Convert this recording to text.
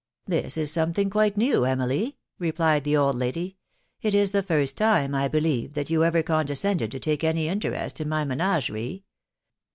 " This is something quite new, Emily," replied the old lady. " It is the first time, I believe, that you ever conde scended to take any interest in my menagerie